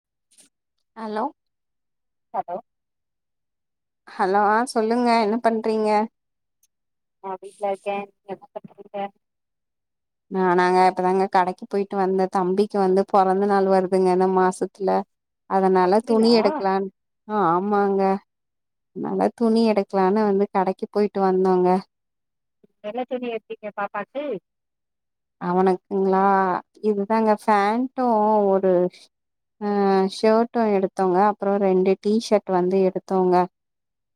[unintelligible] hello hello hello சொல்லுங்க என்ன பண்றீங்க நா வீட்ல இருக்கே [inaudible] ஆ நாங்க இப்பதாங்க கடைக்கு போயிட்டு வந்த தம்பிக்கு வந்து பொறந்த நாள் வருதுங்க இந்த மாசத்துல அதனால துணி அப்டியா எடுக்கலா ஆமாங்க நாங்க துணி எடுக்கலானு வந்து கடைக்கு போயிட்டு வந்தோங்க என்ன துணி எடுத்தீங்க பாப்பாக்கு அவனுக்குங்களா இதுதாங்க ஃபேண்டு ஒரு ஆ ஷர்ட்டு எடுத்தோங்க அப்றோ ரெண்டு டீஷர்ட் வந்து எடுத்தோங்க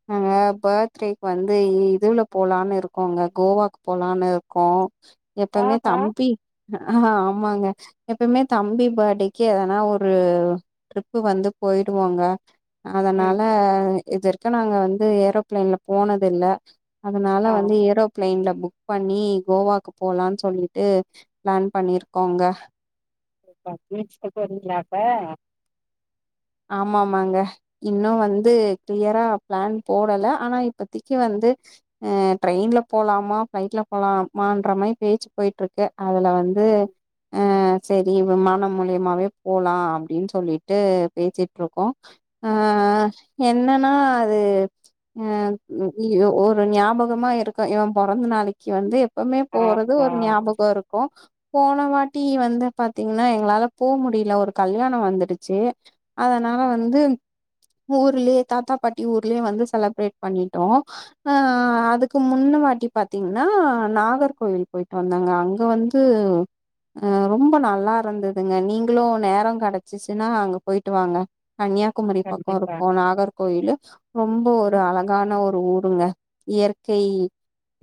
நாங்க பர்த்டேக்கு வந்து இதுல போலான்னு இருக்கோங்க கோவா போலான்னு இருக்கோ எப்போமே ஆஹா பி ஆ ஆமாங்க எப்பயுமே தம்பி பேர்டேக்கு எதுனா ஒரு ட்ரிப்பு வந்து போயிடுவோங்க ம் அதனால இது வரைக்கு நாங்க வந்து ஏரோபிளைன்ல போனது இல்ல அதனால ஆ வந்து ஏரோ பிளைன்ல புக் பண்ணி கோவாக்கு போலாம்னு சொல்லி ட்டு பிளான் பண்ணிருக்கோங்க அப்ப பீச் போய்ட்டு வரீங்களா அப்போ ஆமாமாங்க இன்னு வந்து கிளியரா பிளான் போடல ஆனா இப்பதைக்கு வந்து அ ட்ரெயின்ல போலாமா ஃபிளைட்ல போலாமான்ற மாரி பேச்சு போய்ட்டு இருக்கு அதுல வந்து ம் ஆ செரி விமானம் மூலியமாவே போலா அப்டின்னு சொல்லிட்டு பேசிட்டு இருக்கோ ஆ ஆ என்னன்னா அது அ இது ஒரு ஞாபகமா இருக்கு இவ பொறந்த நாளைக்கு வந்து எப்பவுமே போறது ஆமா ஒரு ஞாபகோ இருக்கு போன வாட்டி வந்து பாத்தீங்கன்னா எங்களால போ முடியல ஒரு கல்யானோ வந்துடுச்சு அதனால வந்து ஊர்லேயே தாத்தா பாட்டி ஊர்லேயே வந்து செலப்ரேட் பண்ணிட்டோ ஆ அதுக்கு முன்ன வாட்டி பாத்தீங்கன்னா நாகர்கோயில் போயிட்டு வந்தேங்க அங்க வந்து து ரொம்ப நல்லா இருந்ததுங்க நீங்களு நேரோ கெடச்சிச்சுன்னா அங்க போயிட்டு வாங்க கன்னியாகுமரி பக்கோ கண்டிப்பா இருக்கு நாகர் கோயில் ரொம்ப ஒரு அழகான ஒரு ஊருங்க இயற்கை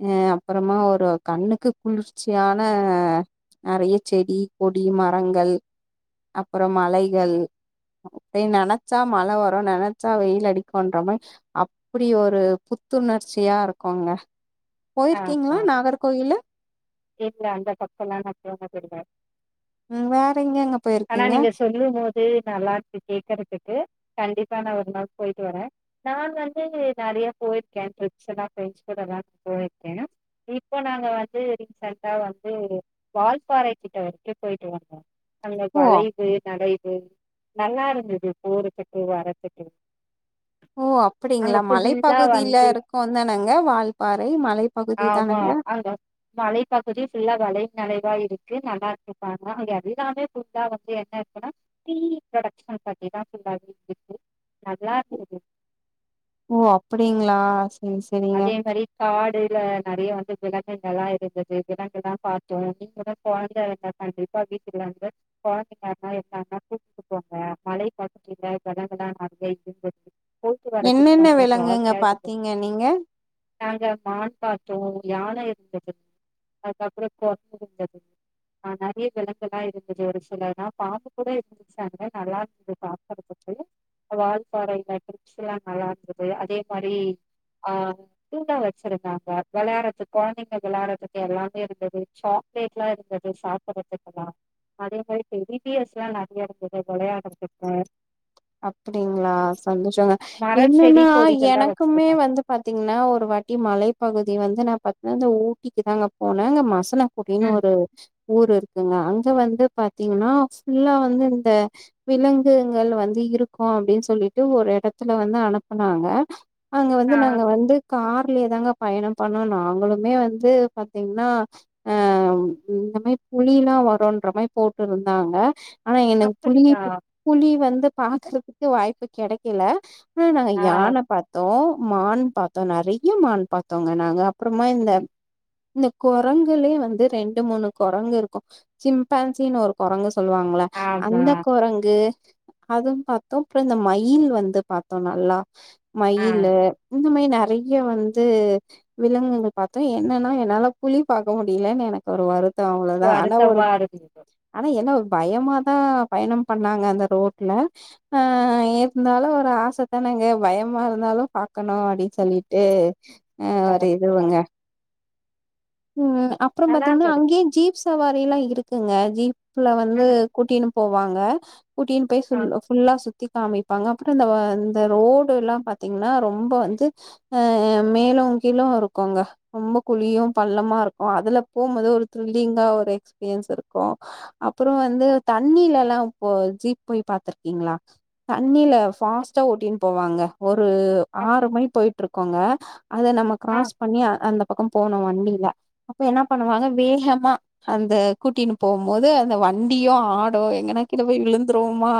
அ அப்பறமா ஒரு கண்ணுக்கு குளிர்ச்சியான நெறைய செடி கொடி மரங்கள் அப்பறம் மலைகள் நெனச்சா மழை வரும் நெனச்சா வெயில் அடிக்கும்ன்ற மாரி அப்படி ஒரு புத்துணர்ச்சியா இருக்கோங்க போயிருக்கீங்களா ஆஹா நாகர்கோயிலு இல்ல அந்த பக்கோ லா நா போனதுல்ல ம் வேற எங்க எங்க போயிருக்கீங்க நீங்க சொல்லும் போது நல்லா இருக்கு கேக்குறதுக்கு கண்டிப்பா நா ஒரு நாள் போயிட்டு வரே நா வந்து நெறைய போயிருக்கே ட்ரிப்ஸ் எல்லா பிரண்ட்ஸ் கூட எல்லா போயிருக்கே இப்போ நாங்க வந்து வந்து வால்பாறை கிட்ட வரைக்கு போயிட்டு வந்தோ அந்த ஓ வலை நது நல்லா இருந்துது போறதுக்கு வரறதுக்கு ஓ அப்படிங்களா ஃபுல்லா மலைப்பகுதியில வந்து இருக்கோ தானங்க வால்பாறை மலைப்பகுதி ஆமா தானங்க அங்க மலைப்பகுதி ஃபுல்லா வளை தழைவா இருக்கு நல்லா இருக்கு பாக்க அ எதுல்லாமே ஃபுல்லா வந்து என்ன இருக்குன்னா ரீ புரடோக்ஷன் பாத்தினா நல்லா இருக்குது ஓ அப்டிங்களா செரி செரிங்க அதே மெரி காடுல நெறைய வந்து விலங்குகலா இருந்தது விலங்கு தா பாத்தோ நீங்க தா கொழந்த கண்டிப்பா வீட்டுக்கு வாங்க கொழந்தைக்கார்னா இருந்தாங்னா கூப்ட்டு போங்க மலை பாத்துட்டீங்க கடங்களா அங்க போய்டு என்னென்ன விலங்குங்க பாத்தீங்க [unintelligible] நீங்க நாங்க மான் பாத்தோ யான இர்ந்துது அதுக்கப்றோ குர்ங்கு இர்ந்துது ஆ நெறைய விலங்கெல இர்ந்துசு ஒரு சில நா பாக்க கூட இல் புடிச்சாங்க நல்லா இருந்து பாக்கற்துக்கு வால்பாறையில ட்ரிப்ஸ்லா நல்லா இருந்துது அதே மாரி ஆ தூங்கா வச்சிருந்தாங்க விளையாற்றதுக் குழந்தைங்க விளையாறதுக்கு எல்லாமே இர்ந்துது சாக் லேட்லா இருந்தது சாப்பறது கெல்லா அதே மாரி வி பி எஸ் லா நெறைய இருந்தது விளையாட்றதுக்கு அப்டிங்ளா சந்தோசங்க மர செடி என்னனா கொடிகள்லா எனக்குமே வச்சிருந்தாங்க வந்து பாத்தீங்னா ஒரு வாட்டி மலைப்பகுதி வந்து நா பாத்னா இந்த ஊட்டிக்கிதாங்க போனே அங்க மஸ் தனக்குடினு ம் ஒரு ஊர் இருக்குங்க அங்க வந்து பாத்தீங்னா ஃபுல்லா வந்து இந்த விலங்குங்கள் வந் து இருக்கு அப்டின் சொல்லிட்டு ஒரு இடத்துல வந்து அனுப்பனாங்க அங்க வந்து ஆ நாங்க வந்து கார்லேதாங்க பயண பண்ணோ நாங்களுமே வந்து பாத்தீங்னா அ இந்த மாய் புலிலா வருன்ற மாய் போட் இருந்தாங்க ஆனா எனக் புலி அப்படியா புலி வந்து பாக்குறதுக் வாய்ப்பு கெடைக்கில ஆ நாங்க யான பாத்தோ மான் பாத்தோ நெறைய மான் பாத்தோங்க நாங்க அப்பறமா ம் இந்த ன்னு கொரங்குலே வந்து ரெண்டு மூணு கொரங்கு இருக்கு சிம்பான்சின் ஒரு குரங்கு சொல்லுவாங்ள ஆமா அந்த கொரங்கு அதுவு பாத்தோ அப்ற இந்த மயில் வந்து பாத்தோ நல்லா ஆ மயிலு இந்த மாய் நெறைய வந்து விலங்குங்க பாத்தோ என்னனா என்னால புலி பாக்க முடியலன் எனக்கு ஒரு வரு த்தோ சோ அவ்ளதா ஆனா ஒரு அழுத்தமா இருந்தது ஆனா என்ன ஒர் பயமா தா பயணம் பண்ணாங்க அந்த ரோட் ல ஆ இர்ந்தாலு ஒரு ஆசத்தானங்க பயமா இர்ந்தாலு பாக்கணு அப்டின் சொல்லிட்டு ஆ ஒரு கரெக்ட் தான் இதுவுங்க ம் அப்பற நல்லா பாத்தீங்னா இருந்தது அங்கியே ஜீப் சவாரிலா இருக்குங்க ஜீப்ல வந்து ம் கூட்டினு போவாங்க கூட்டின் போய் ஆ சொல் ஃபுல்லா சுத்தி காமிப்பாங்க அப்பற இந்த இந்த ரோடுலா பாத்தீங்னா ரொம்ப வந்து அ மேலவு கீழவு இருக்குங்க ரொம்ப குழியு பள்ளமா இருக்கு அதுல போம்போது ஒரு த்ரில்லிங்கா ஒரு எக்ஸ்பீரியன்ஸ் இருக்கு அப்புற வந்து தண்ணீலலா போ ஜீப் போய் பாத்திருக்கீங்ளா தண்ணில ஃபாஸ்ட்டா ஓட்டின் போவாங்க ஒரு அப் ஆறு மணி போய்ட்டு இருக்கோங்க அத நம்ம ஆ கிராஸ் பண்ணி அந்த பக்கம் போண் ணு வண்டில அப்ப என்னா பண்ணுவாங்க வேகமா அந்த கூட்டினு போவும் போது அந்த வண்டியு ஆடு எங்கன்னா கீழ போய் விழுந்துருவோமா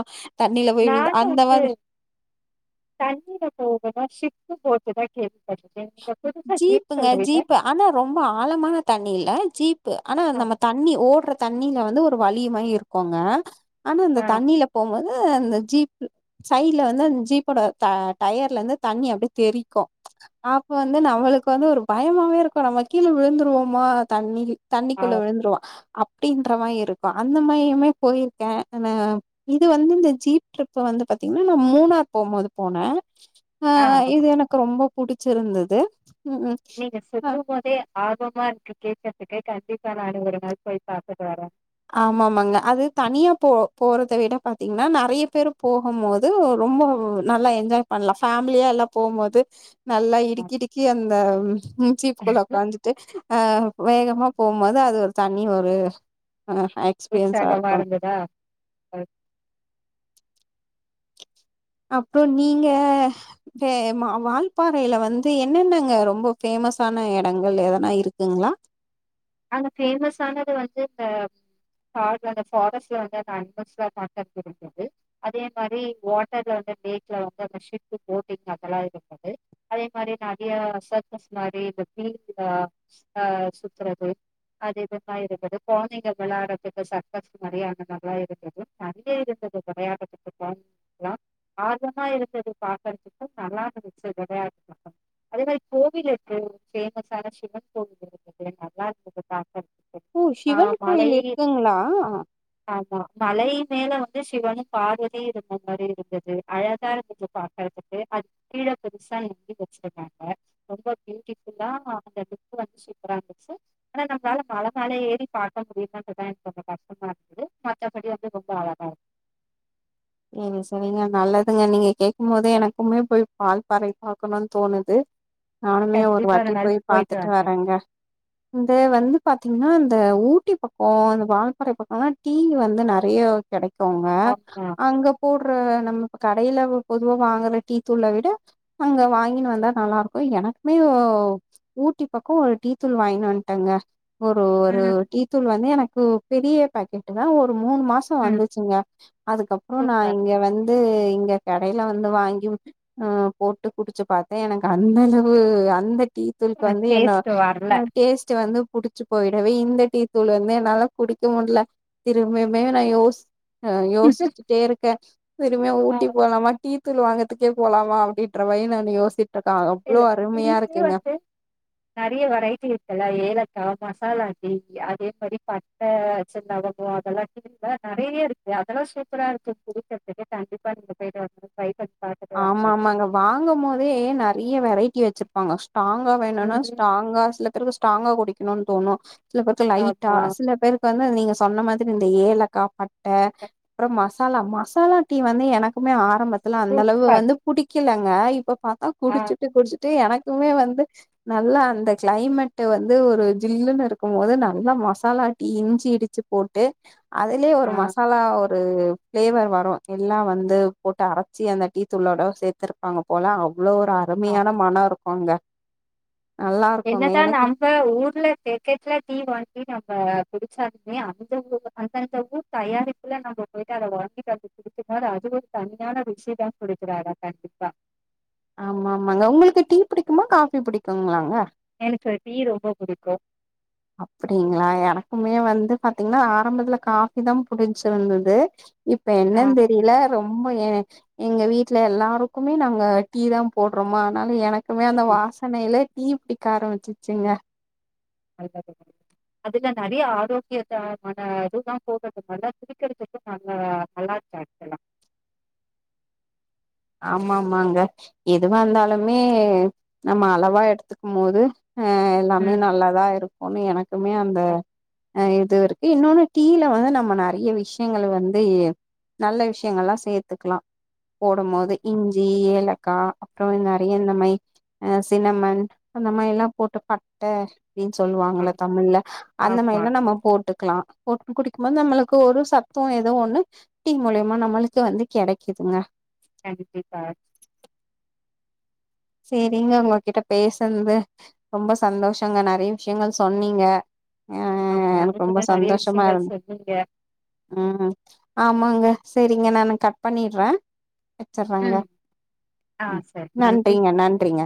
தண்ணில போய் விழுந் நானு அந்த வந்து மாரி தண்ணில போவ்துனா சிப்பு போட்டு தா கேள்விபட்ருக்க நீங்க புதுசா ஜீப் ஜீப்புங்க சொல்றீங்க ஜீப்பு ஆனா ரொம்ப ஆழமான தண்ணி இல்ல ஜீப்பு ஆனா ஆ நம்ம தண்ணி ஓட்ற தண்ணில வந்து ஒரு வழி மாறி இருக்குங்க ஆனா அந்த ஆ தண்ணில போம்போது அந்த ஜீப்பு சைட்ல வந்து அந்த ஜீப்போட டயர்லந்து தண்ணி அப்டியே தெறிக்கு இப்ப வந்து நம்மளுக்கு வந்து ஒரு பயமாவே இருக்கு நம்ம கீழ விழுந்துருவோமா தண்ணி ஆ தண்ணிக்குள்ள விழுந்துருவா அப்டின்ற மாரி இருக்கு அந்த மாரியுமே போயிருக்கே ஆனா இது வந்து இந்த ஜீப் டரிப் வந்து பாத்தீங்ன்னா நா மூணார் போம்மோது போனே ஆ இது எனக்கு ரொம்போ புடிச்சிருந்தது ம் ம் நீங்க சொல்லும் போதே ஆர்வமா இருக்கு கேக்கறதுக்கு கண்டிப்பா நானு ஒரு நாள் போய் பாத்துட்டு வரே ஆமாமாங்க அது தனியா போ போறத விட பாத்தீங்ன்னா நெறைய பேரு போகும் போ து ரொம்ப நல்லா என்ஜாய் பண்லா ஃபேமிலியா எல்லா போம்மோது நல்லா ஆ இடுக்கிடுக்கி அந்த ம் ஜீப்க்குள்ள உக்காஞ்சு ட்டு வேகமா போம்மோது அது ஒரு தனி ஒரு அ உற்ச்சாகமா இருந்ததா அப்றோ நீங்க டே ம வால்பாறையில வந்து என்னென்னங்க ரொம்பஃ ஃபேமஸான எடங்கள் எதனா இருக்குங்ளா அங்க ஃபேமஸானது வந்து இந்த காட்னத்னல அந்த ஃபாரஸ்ட்ல வந்து அந்த அனிமல்ஸ்லா காட்டக் வரும்போது அதே மாரி வாட்டர்ல வந்து லேக்ல வந்து அந்த ஷிப்பு போட்டிங் அதெல்லா இருந்தது அதே மாரி நெறிய சர்கஸ் மாரி இந்த [unintelligible] ஆ சுத்துறது அது இதுதா இருக்குது கொழந்திங்க விளாட்ரதுக்கு சர்க்கஸ் மாரியான எல்லா இருக்குது நெறைய இருந்தது விளயாட்ரதுக்கு கொழந் ங்லாஆர்வமா இருந்தது பாக்கறதுக்கு நல்லா இருந்துச்சு விளயாட் [unintelligible] அதே மாரி கோவில் இருக்கு ஒரு ஃபேமஸான சிவன் கோவில் இருக்குது நல்லா இருக்குது பாக்க ஓ சிவன் கோயில் இருக்குங்ளா ஆமா மலை மேல வந்து சிவனு பார்வதியு இருந்த மாரி இருக்குது அழகா இருந்துச்சு பா க்கத்துக்கு அது கீழ பெருசா நந்தி வெச்சிருகாங்க ரொம்ப பியூட்டிஃபுல்லா அந்த [unintelligible] வந்து சூப்பரா இருந்துச்சு ஆனா நம்ளால மல மேல ஏறி பாக்க முடிலேன்றதா எனக்கு கொஞ்சோ கஷ்டமா இருந்தது மத்தபடி வந்து ரொம்ப அழகா இருக் ம் சரிங்க நல்லதுங்க நீங்க கேக்குமோதே எனக்குமே போய் வால் பறை பாக்கணுன் தோணுது நானுமே ஒரு கண்டிப்பா வாட்டி நாள் போய் போயிட்டு பாத்துட்டு வாங்க வரேங்க இந்த வந்து பாரனத்தீங்ன்னா அந்த ஊட்டி பக்கௌ இந்த வால்கறை பக்கோலா டீ வந்து நெறைய கெடைக்குவ்ங்க ஆமா அங்க போடுற நம்ம கடையில பொதுவா வாங்குற டீ தூள விட அங்க வாங்கினு வந்தா நல்லாருக்கு எனக்குமே ஓ ஊட்டி பக்கோ ஒரு டீத்தூள் வாய்ன் வந்டங்க ஒரு ஒரு ம் டீ தூள் வந்து எனக்கு பெரிய பேக்கெட்டுதா ஒரு மூணு மாஸ் சோ ம் வந்துச்சுங்க அதுக்கப்றோ நா சூப்பர் இங்க வந்து இங்க கடைல வந்து வாங்கி அ போட்டு குடிச்சு பாத்தே எனக்கு அந்தளவு அந்த டீ தூள்க் வந்து என்ன டேஸ்ட் வரல அ டேஸ்ட்டு வந்து குடிச்சு போயிடவே இந்த டீ தூள் வந்து என்னால குடிக்க முட்ல திரும்பையுமே நா யோஸ் ஆ யோசிச்சுட்டே இருக்கே திரும்மியு ஆ ஊட்டி போலாம டீ தூள் வாங்கற்துக்கே போலாமா அப்டின்ற மாரி நா யோசிட்ருக்கே அவ்வளோ இல்ல அருமையா டீலே இருக்குங்க வந்து நெறைய வெரைட்டி இருக்குல்ல ஏலக்கா மசாலாட்டீ அதே மாரி பட்ட ச்ச லவங்கோ அதெல்லா டீல நறைய இருக்கு அதெல்லா சூப்பரா இருக்கு குடிக்கற்துக்கு கண்டிப்பா நீங்க போய்ட்டு வாங்க [unintelligible] ஆமா ஆமாங்க வாங்கம்மோதே நறிய வெரைட்டி வச்சிருப்பாங்க ஸ்ட்ராங்கா வேணுனா ம் ஸ்ட்ராங்கா சில பேருக்கு ஸ்ட்ராங்கா குடிக்கணுன் தோணு சில பேருக்கு லைட்டா ஆமா சில பேருக்கு வந்து நீங்க சொன்ன மாதிரி இந்த ஏலக்கா பட்ட அப்றம் மஸ் மசாலா மசாலா டீ வந்து எனக்குமே ஆரம்பத்துல அந்த அளவு சூப்பர் வந்து புடிக்கலங்க இப்ப பாத்தா ஆ குடிச்சுட்டு குடிச்சுட்டு எனக்குமே வந்து நல்லா அந்த கிளைமேட் வந்து ஒரு ஜில்லுன்னு இருக்கும் போது நல்லா மசாலாட்டீ இஞ்சி இடிச்சு போட்டு அதுலே ஆ ஒரு மசாலா ஒரு பிளேவர் வரும் எல்லா வந்து போட்டு அர ச்சு அந்த டீத்தூளோட சேத்திருப்பாங்க போல அவ்வளோ ஒரு ஆ அருமையான மனோ இருக்குங்க நல்லா இருக்குங்க என்னதா எனக்கு நாம் ந ஊர்ல பாக்கெட்ல டீ வாங்கி நம்ம குடிச்சாலுமே அந்த ஊ அந்தந்த ஊர் தயாரிப்புல நம்ம போயிட்டு அத வாங்கிட்டு வந்து குடிக்கும் போது அது ஒரு தனியான ருஷி தா குடுக்குறோ கண்டிப்பா ஆமா ஆமாங்க உங்களுக்கு டீ புடிக்குமா காபி புடிக்குங்களாங்க எனக்கு டீ ரொம்ப புடிக்கும் அப்டிங்களா எனக்குமே வந்து பாத்தீங்கன்னா ஆரம்பத்துல காபி தா புடிச்சுர்ந்தது இப்ப ஆ என்னன் தெரியல ரொம்ப எங்க வீட்ல எல்லாருக்குமே நாங்க டீ தா போட்றோமா அதுனால எனக் குமே அந்த ம் வாசனையிலே டீ புடிக்க ஆரம்பிச்சிச்சுங்க [unintelligible] அதுல நறையா ஆரோக்கியமான இதுதான் போகது நல்ல குடிக்கிறதுக்கு நல்ல நல்லா [unintelligible] ஆமாமாங்க எதுவா இருந்தாலுமே நம்ம அளவா எடுத்துக்கும் போது ஆ எல்லாமே ம் நல்லாதா இருக்குன்னு எனக்குமே அந்த ஆ இது இருக்கு இன்னோன்னு டீ ல வந்து நம்ம நறைய்ய விஷயங்கள் வந்து நல்ல விஷயங்கள்லா சேத்துக்கலா போடும் போது ஆமா இஞ் சி ஏலக்கா அப்புற நறைய இந்த மாய் அ சின்னமன் அந்த மாரில்லா போட்டு பட்ட அப்டின்னு ஆ சொல்லுவாங்கள தமிழ்ல அந்த ஆமா மாரில்லா நம்ம போட்டு க்லா போட்டு குடிக்கும்போது நம்மளுக்கு ஒரு சத்தும் எது ஒன்னு டீ மூலியமா நம்மளுக்கு வந்து கெடைக்கிதுங்க கண்டிப்பா சேரிங்க உங்ககிட்ட பேசுறது ரொம்ப சந்தோஷங்க நறைய விஷயங்கள் சொன்னீங்க அ ஆமா எனக்கு ரொம்ப நீங்கதா நறைய சந்தோஷமா விஷயங்கள் இருந்து சொன்னீங்க ம் ஆமாங்க சரிங்க நானு கட் பண்ணிறே வச்சுர்றேங்க ம் ஆ சரி நன்றி நன்றிங்க நன்றிங்க